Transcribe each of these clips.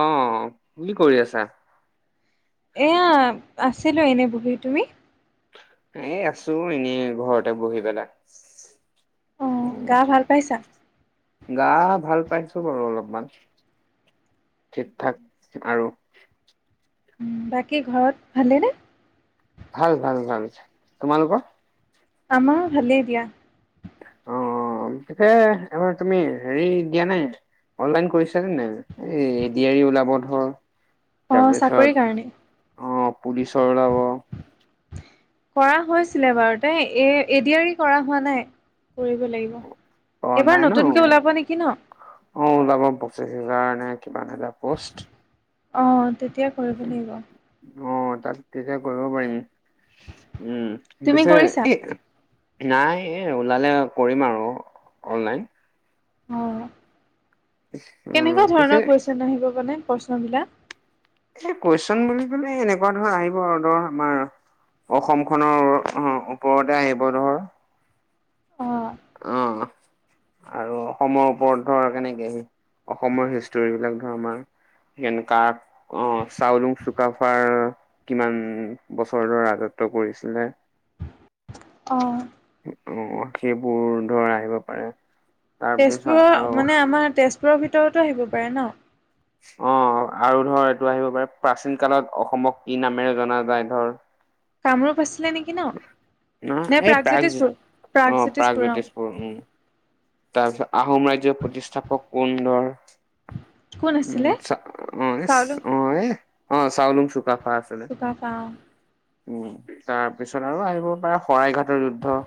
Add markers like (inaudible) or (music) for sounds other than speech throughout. অ কি কৰি আছা এয়া আছিলো এনে বহি তুমি এই আছো এনেই ঘৰতে বহি পেলাই অ উ গা ভাল পাইছা? গা ভাল পাইছো বাৰু অলপমান ঠিকঠাক আৰু উম, বাকী ঘৰত ভালেনে ভাল ভাল ভাল তোমালোকৰ আমাৰ ভালেই দিয়া। অ অ অ। এ এইবাৰ তুমি হেৰি দিয়া নাই? অনলাইন কৰিছা নে নাই? এ এ ডি আৰি ওলাব ধৰ - অ তাৰ চাকৰিৰ পিছত কাৰণে। আহ পুলিচৰ ওলাব। কৰা হৈছিলে বাৰুতে এ এ ডি আৰি কৰা হোৱা নাই কৰিব লাগিব। অ এইবাৰ নাই ন নতুনকে ওলাব নেকি ন? অ ওলাব পচিশ হাজাৰ নে কিমান হাজাৰ পষ্ট। অঁ তেতিয়া কৰিব লাগিব। অ তাত তেতিয়া কৰিব পাৰিম, উম তুমি পিছে কৰিছা? - নাই এই ওলালে কৰিম আৰু অনলাইন। অ উম কেনেকুৱা পিছে ধৰণৰ কুৱেশ্যন আহিব মানে প্ৰশ্ন বিলাক? এ কুৱেশ্যন বুলি ক'লে এনেকুৱা ধৰ আহিব আৰু ধৰ আমাৰ - অসম খনৰ ওপৰতে আহিব ধৰ। অ। অ। আৰু অসমৰ ওপৰত ধৰ কেনেকে অসমৰ হিষ্টৰী বিলাক ধৰ আমাৰ - হেনেকা। অ চাওলুং চুকাফাৰ কিমান বছৰৰ ৰাজত্ব কৰিছিলে? অঁ। উম অ সেইবোৰ ধৰা আহিব পাৰে। তাৰপিছত তেজপুৰৰ আৰু মানে আমাৰ তেজপুৰৰ ভিতৰতো আহিব পাৰে ন? অ আৰু ধৰ এইটো আহিব পাৰে প্ৰাচীন কালত অসমক কি নামেৰে জনা যায় ধৰ। কামৰূপ আছিলে নেকি ন? নহ নে এই প্ৰাগ প্ৰাগজ্যোতিষপুৰ অ প্ৰাগজ্যোতিষপুৰ অ। তাৰ পিছত আহোম ৰাজ্যৰ প্ৰতিষ্ঠাপক কোন ধৰ। কোন উম আছিলে চা অ এ চাউলু অ অ এ চাউলুং চুকাফা আছে। চুকাফা অ। উম তাৰ পিছত আৰু আহিব পাৰে শৰাইঘাটৰ যুদ্ধ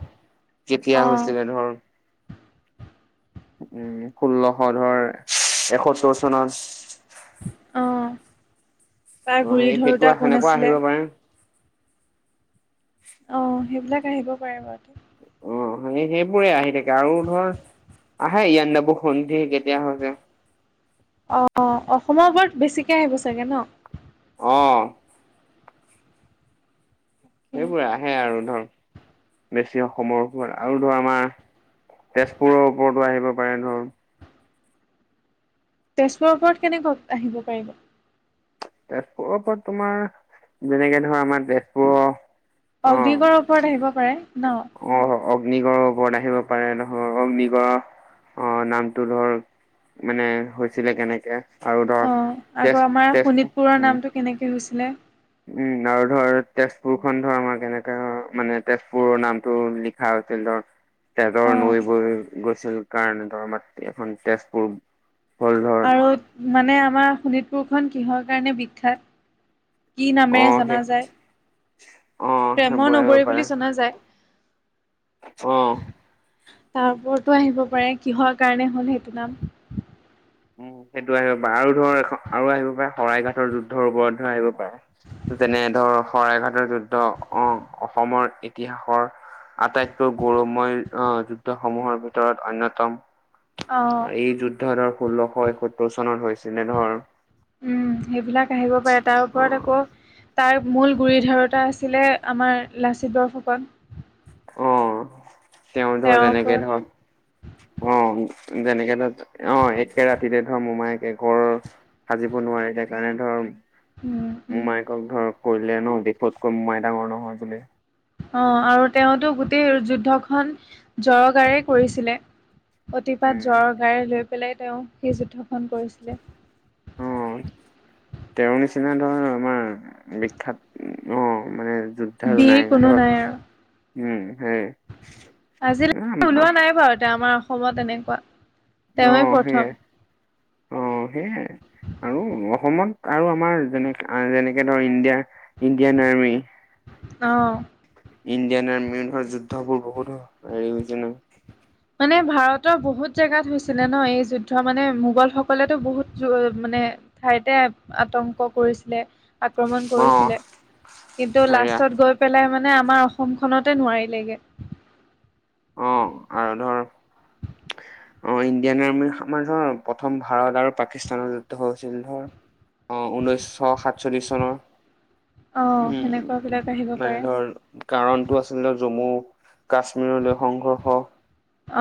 অ কেতিয়া হৈছিলে ধৰ। উম ষোল্লশ ধৰ এসত্তৰ চনত। অ, তাৰ অ গুৰি সেই সেইটো ধৰোতা কোন সেনেকুৱা আহিব আছিলে? পাৰে অঁ সেইবিলাক আহিব পাৰে বাৰুতে। অ সেই সেইবোৰে আহি থাকে আৰু ধৰ - আহে ইয়ান্দাবুসন্ধী কেতিয়া হৈছিল? অ অ, অসমৰ ওপৰত বেছিকে আহিব চাগে ন? অ। সেইবোৰে আহে আৰু ধৰক - বেছি অসমৰ ওপৰত আৰু ধৰ আমাৰ তেজপুৰৰ ওপৰতো আহিব পাৰে ধৰ। তেজপুৰৰ ওপৰত কেনেকৈ আহিব পাৰিব? তেজপুৰৰ ওপৰত তোমাৰ যেনেকে ধৰা আমাৰ তেজপুৰৰ - অগ্নিগড় ওপৰত আহিব পাৰে ন? অ অগ্নিগড়ৰ ওপৰত আহিব পাৰে ধৰ, অগ্নিগড় আ নামটো ধৰ - মানে হৈছিলে কেনেকে, আৰু ধৰ তেজ তেজপু - তেজপুৰৰ নামটো কেনেকে হৈছিলে? উম আৰু ধৰ তেজপুৰ খন ধৰ আমাৰ কেনেকে মানে তেজপুৰৰ নামটো লি - খা হৈছিল ধৰ। তেজৰ অ নৈ বৈ গৈছিল কাৰণে ধৰ মাত এখন তেজপুৰ - আৰু মানে আমাৰ শোণিতপুৰখন কিহৰ কাৰণে বিখ্যাত? কি নামেৰে অ', সেই জনা যায় অ', প্ৰেমৰ সেইবোৰ আহিব নগৰী পাৰে বুলি জনা যায় অ তাৰ ওপৰতো আহিব পাৰে কিহৰ কাৰণে হ'ল সেইটো নাম উম সেইটো আহিব পায় আৰু ধৰ এখ আৰু আহিব পায় শৰাই ঘাটৰ যুদ্ধৰ ওপৰটো আহিব পায় যেনে ধৰ শৰাইঘাটৰ যুদ্ধ অহ অসমৰ ইতিহাসৰ আটাইতকৈ গৌৰৱময় অহ যুদ্ধসমূহৰ ভিতৰত অন্যতম অ এই যুদ্ধ ধৰ ষোল্লশ এসত্তৰ চনত হৈছিলে ধৰ উম, সেইবিলাক আহিব পাৰে তাৰ অ ওপৰত আকৌ তাৰ মূল গুৰি ধৰোতা আছিলে আমাৰ লাচিত বৰফুকন। অ', তেওঁ ধৰ তেওঁৰ যেনেকে ওপৰত ধৰ অ', যেনেকে ধৰ অ', একে ৰাতিতে ধৰ মোমাইকে গঢ় সাজিব নোৱাৰিলে কাৰণে ধৰ উম', উ মোমায়েকক ধৰ কৈ দিলে ন, দেশতকৈ মোমাই ডাঙৰ নহয় বুলি। অ', আৰু তেওঁতো গোটেই যুদ্ধখন জৰগাৰে কৰিছিলে। অতিপাত জ্বৰ গাৰে লৈ পেলাই তেওঁ সেই যুদ্ধখন কৰিছিলে। উম তেওঁৰ নিচিনা ধৰ আমাৰ বিখ্যাত উ অ', মানে যুত ধাৰ আৰু বীৰ নাই, কোনো আৰু ধৰ উম সেই আজিলৈকে ওলোৱা নাই বাৰু এতিয়া আমাৰ অসমত এনেকুৱা। তেওঁৱে অ', প্ৰথম সেইয়াই অ', সেইয়াই। আৰু অসমত আৰু আমাৰ যেনেক আ যেনেকে ধৰ ইণ্ডিয়াৰ ইণ্ডিয়ান আৰ্মি। অঁ'। ইণ্ডিয়ান আৰ্মিৰ ধৰ যুদ্ধ বোৰ বহুত হয় হেৰি হৈছে ন। মানে ভাৰতৰ বহুত জেগাত হৈছিলে ন, এই যুদ্ধ মানে মোগল সকলেতো বহুত যো মানে ঠাইতে আতংক কৰিছিলে। আক্ৰমণ অ কৰিছিলে, কিন্তু হেৰিয়া লাষ্টত গৈ পেলাই মানে আমাৰ অসমখনতে নোৱাৰিলেগে। অ', আৰু ধৰ' অ', ইণ্ডিয়ান আৰ্মি আমাৰ ধৰ প্ৰথম ভাৰত আৰু পাকিস্তানৰ যুদ্ধ হৈ হৈছিল ধৰ। অ', ঊনৈছশ সাতচল্লিশ চনৰ অ উম উ সেনেকুৱা বিলাক আহিব মানে পাৰে ধৰ কাৰণটো আছিলে জম্মু কাশ্মীৰলৈ সংঘৰ্ষ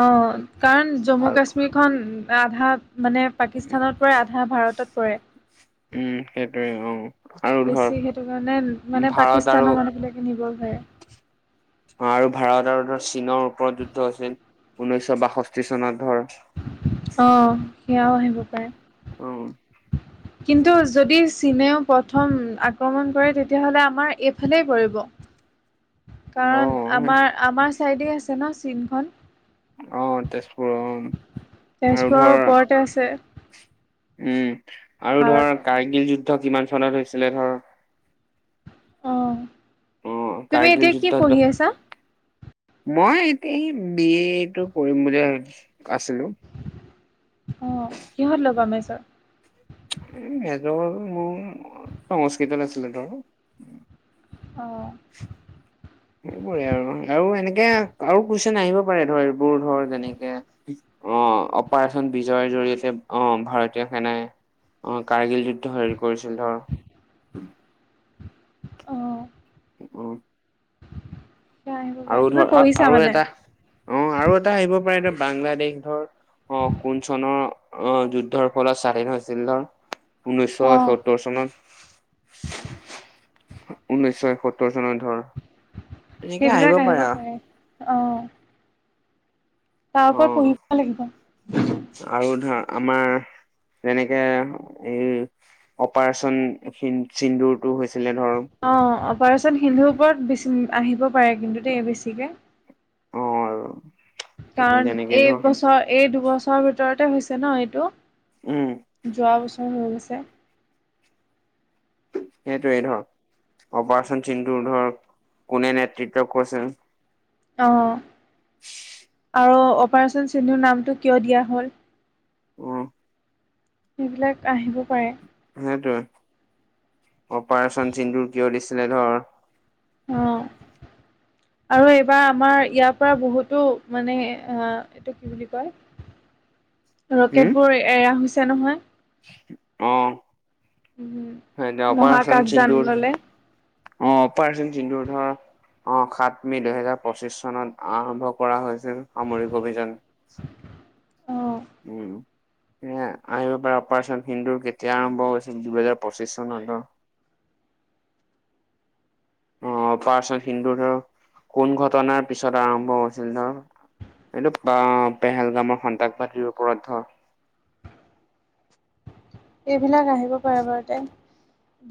অ', কাৰণ জম্মু আৰু কাশ্মীৰখন আধা মানে পাকিস্তানত পৰে, আধা ভাৰতত পৰে। উম সেইটোৱে অ আৰু বেছি ধৰ সেইটো কাৰণে মানে ভাৰত আৰু পাকিস্তানৰ মানুহবিলাক কিনিব চাই (unintelligible) আৰু ভাৰত আৰু ধৰ চীনৰ ওপৰত যুদ্ধ হৈছিল, ঊনৈশ বাষষ্ঠি চনত ধৰ। অ', সেয়াও আহিব পাৰে। অ। কিন্তু যদি চীনেও প্ৰথম আক্ৰমণ কৰে, তেতিয়াহ'লে আমাৰ এইফালেই পৰিব। (unintelligible) অ কাৰণ আমাৰ আমাৰ চাইডেই আছে ন চীনখন। অহ তেজপুৰ অহ আৰু তেজপুৰৰ ধৰ ওপৰতে আছে উম আৰু ধৰ ভাৰতে। কাৰ্গিল যুদ্ধ কিমান চনত হৈছিলে ধৰ। অ অ তুমি কাৰ্গিল এতিয়া কি যুদ্ধত পঢ়ি আছা। মই এতি বি এ টো কৰিম বুলি আছিলো। অ কিহত লবা মেজৰ। এ মেজৰ মোৰ সংস্কৃতত আছিলে ধৰ। অ (inaudible) সেইবোৰে আৰু আৰু এনেকে আৰু কুইচন আহিব পাৰে ধৰ এইবোৰ ধৰ যেনেকে আহ অপাৰেচন বিজয়ৰ জৰিয়তে আহ ভাৰতীয় সেনাই অ কাৰ্গিল যুদ্ধ হেৰি কৰিছিল ধৰ। আহ, উম, আহিব পাৰে আৰু তুমি ধৰ পঢ়িছা আৰু মানে? এটা অ আৰু এটা আহিব পাৰে বাংলাদেশ ধৰ, অ কোন চনৰ আহ যুদ্ধৰ ফলত স্বাধীন হৈছিল ধৰ, ঊনৈছশ অ', এসত্তৰ চনত। ঊনৈছশ এসত্তৰ চনৰ ধৰ। সেইবিলাক আহিব পাৰে অ, তাৰপ অ পঢ়িব লাগিব। আৰু ধৰ আমাৰ যেনেকে এই, অপাৰেচন চিন্দুৰতটো হৈছিলে ধৰ, অঁ অপাৰেচন সিন্ধুৰ ওপৰত বেছি আহিব পাৰে কিন্তু দেই বেছিকে। অ আৰু কাৰণ যেনেকে ধৰ এইবছৰ এই দুবছৰৰ ভিতৰতে হৈছে ন এইটো। উম যোৱা বছৰ হৈ আছে। সেইটয়ে ধৰ অপাৰচন সিন্ধুৰ ধৰ কোনে নেতৃত্ব কৈছে। অ আৰু অপাৰচন সিন্ধুৰ নামটো কিয় দিয়া হ'ল। উম, সেইবিলাক আহিব পাৰে। সেইটোয়ে অপাৰেচন চিন্দুৰ কিয় দিছিলে ধৰ, অ আৰু এইবাৰ আমাৰ ইয়াৰ পৰা বহুতো মানে আহ, এইটো কি বুলি কয়। (inaudible) ৰকেট বোৰ এৰা হৈছে নহয়। অ উম সেইতিয়া অপাৰেচন মহাকাশযান চিন্দুৰ, ললে অ অপাৰেচন চিন্ধুৰ ধৰ, অ সাত মে দুহেজাৰ পঁচিশ চনত আৰম্ভ কৰা হৈছিল সামৰিক অভিযান। আহ, উম, এ আহিব পাৰে অপাৰেচন সিন্দুৰ কেতিয়া আৰম্ভ হৈছিল দুহেজাৰ পঁচিশ চনত, অ পাৰ্চত হিন্দু ধৰ কোন ঘটনাৰ পিছত আৰম্ভ হৈছিল ধৰ। এইটো বা পেহেলগামৰ সন্তাসবাদীৰ ওপৰত ধৰ, এইবিলাক আহিব পাৰে বাৰু তে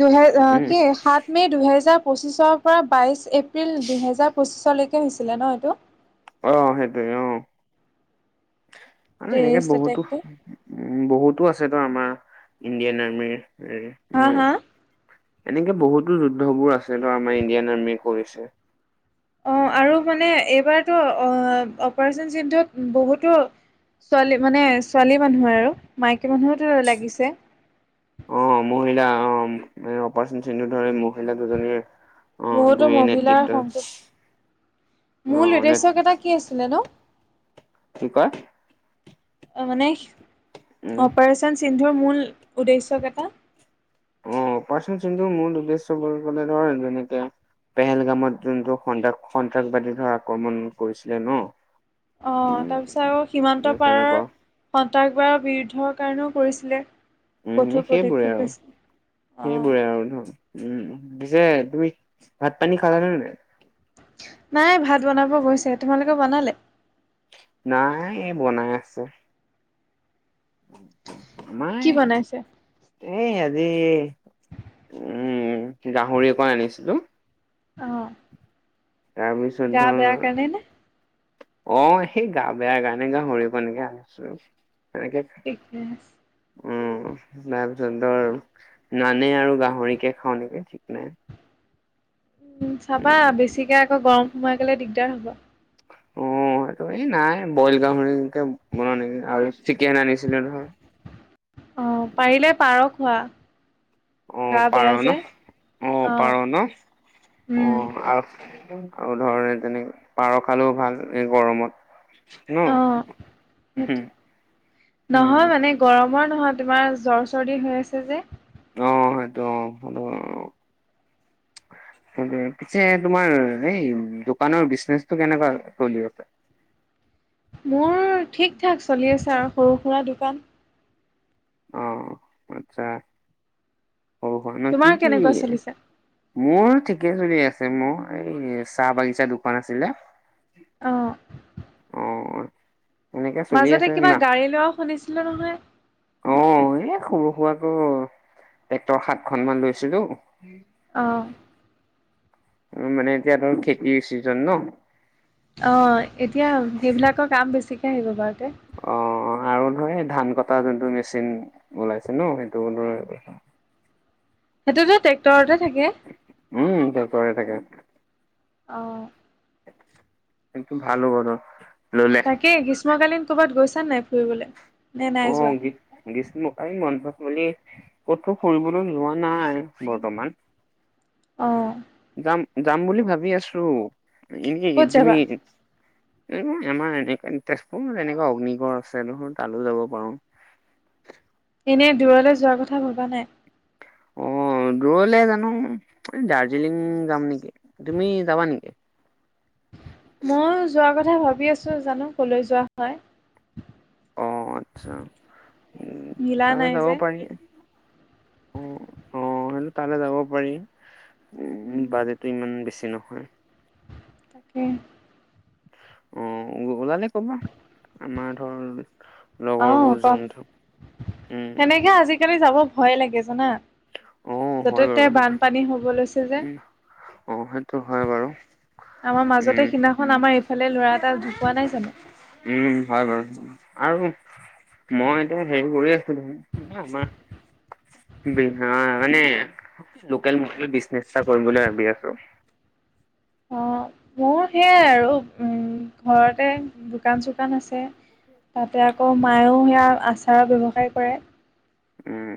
দুহেজ উম কি সাত, মি দুহেজাৰ পঁচিছৰ পৰা বাইছ এপ্ৰিল দুহেজাৰ পঁচিছলৈকে হৈছিলে ন এইটো। অ সেইটোৱে অ। আৰু এনেকে টেৰিষ্ট বহুতো এটেকটো উ বহুতো আছে তো আমাৰ ইণ্ডিয়ান আৰ্মিৰ ন হা হা এনেকে বহুতো যুদ্ধবোৰ আছে ন আমাৰ ইণ্ডিয়ান আৰ্মি কৰিছে অ আৰু মানে এইবাৰতো অ অপাৰেচন চিধত বহুতো ছোৱালী মানে ছোৱালী মানুহ আৰু মাইকী মানুহোতো লাগিছে। অ মহিলা অ মান অপাৰেচন চিন ধৰে মহিলা দুজনীৰ অ বহুতো দুয়ে মহিলাৰ নেতৃত্ব সংযোগ অ মূল নে উদ্দেশ্যকেইটা কি আছিলে নো কি কয় অ মানে উম অপাৰেচন সিন্ধুৰ মূল উদ্দেশ্যকেইটা অ পাচন চিন্ধুৰ মূল উদ্দেশ্য বুলি কলে ধৰ যেনেকে পেহেলগামত যোনটো সান্ত্ৰস সন্ত্ৰাসবাদী ধৰ আক্ৰমণ কৰিছিলে ন অ উম তাৰপিছত আৰু সীমান্ত এ পাৰৰ তেনেকুৱা সন্ত্ৰাসবাদৰ বিৰুদ্ধৰ কাৰণেও কৰিছিলে। উম কঠোৰ সেইবোৰে পদক্ষেপ আৰু লৈছিলে অ সেইবোৰে আৰু ধৰ। উম পিছে তুমি ভাত পানী খালা নে নাই? নাই ভাত বনাব গৈছে তোমালোক বনালে? নাই এ বনাই আছে। মাই কি বনাইছে এ আজি উম গাহৰি অকণ আনিছিলো। অ গা বেয়া কাৰণে নে (unintelligible) অ সেই গা বেয়া কাৰনে গাহৰী একনকে আনিছো সেনেকে ঠিকে আছে উম তাৰপিছত ধৰ নানে আৰু গাহৰিকে খাওঁ খাওঁ নেকি ঠিক নাই। উম চাবা বেছিকে আকৌ গৰম সোমাই গ'লে দিগদাৰ হ'ব। উ মইতো এই নাই বইল গাহৰিকে বনাও নেকি আৰু চিকেন আনিছিলো ধৰ অ পাৰিলে পাৰ খোৱা। অ গা পাৰ বেয়া যে ন অ পাৰ ন অ উম আফ- আৰু ধৰ তেনেকে পাৰ খালেও ভাল এই গৰমত। ন? অ উম, সেইটো উম, নহয় মানে গৰমৰ নহয় তোমাৰ জ্বৰ, চৰ্দি হৈ আছে যে অ সেইটো অ হলো আও সেটোৱে পিছে তোমাৰ এই দোকানৰ বিজনেচটো কেনেকুৱা চলি আছে মোৰ ঠিক ঠাক চলি আছে আৰু সৰু সুৰা দোকান। অ আচ্ছা সৰু সুৰা ন কি তোমাৰ কি কেনেকুৱা চলিছে মোৰ ঠিকে চলি আছে মোৰ এই চাহ বাগিছা দোকান আছিলে অ অ এনেকে চলি মাজতে আছে কিবা না? গাড়ী লোৱাও শুনিছিলো নহয়। অ এই সৰু সুৰাকো টেক্টৰ সাতখন মান লৈছিলো। অ উ মানে এতিয়া ধৰ খেতিৰ চিজন ন অ এতিয়া সেইবিলাকৰ কাম বেছিকে আহিব বাৰতে অ আৰু ধৰ সেই ধান কটা যোনটো মেচিন ওলাইছে ন সেইটো ধৰে এইখন সেইটো ধৰ ট্ৰেক্টৰতে থাকে। উম' তেওঁ কৰি থাকে। অঁ এটো ভাল হ'ব ন, ললে কি গ্ৰীষ্মকালীন ক'ৰবাত গৈছা নাই ফুৰিবলে? নে নাই যোৱা? গ্ৰীষ্মকালীন বন্ধত মানে, কতো ফুৰিবলৈ লোৱা নাই বৰ্তমান। অঁ যাম, যাম বুলি ভাবি আছোঁ। এ ক'ত তুমি যাবা এই আমাৰ এনে তেজপুৰ এনেকুৱা অগ্নিগড় আছে নহ, তালো যাব পাৰোঁ। এনেই দূৰলে যোৱা কথা ভবা নাই? অ দূৰলে জা'নো, এই দাৰ্জিলিং যাম নেকি। তুমি যাবা নেকি? ময়ো যোৱা কথা ভাবি আছোঁ, জা'নো ক'লৈ যোৱা হয়। অ আচ্ছা, উ মিলা তালে নাই যাব যে পাৰি। উ, অ সেনো তালে যাব পাৰি, উ উম বাজেটটো ইমান বেছি নহয়। তাকে অ ওলালে কবা, আমাৰ ধৰ অঁহ লগৰবোৰ কম। যাম ধৰ উম। সেনেকে আজিকালি যাব ভয়ে লাগে, জানা। অ', হয় য'তে-ততে বাৰু সেইটো বানপানী হ'ব লৈছে যে উম, অ হেন টো হয় বাৰু, আমাৰ মাজতে উম' সিদিনাখন আমাৰ এইফালে ল'ৰা এটা ঢুকোৱা নাই জানো উম হয় বাৰু, আৰু সো মই এতিয়া হেৰি কৰি আছিলোঁ, আমাৰ বি অ মানে, লোকেল মাছলি বিজনেছ এটা কৰিবলৈ ভাবি আছোঁ। অ মোৰ সেয়াই আৰু, উম' ঘৰতে দোকান-চোকান আছে। তাতে আকৌ মায়েও সেয়া আচাৰৰ ব্যৱসায় কৰে। উম'